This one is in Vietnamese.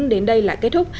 đến đây là kết thúc